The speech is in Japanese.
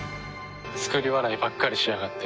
作り笑いばっかりしやがって。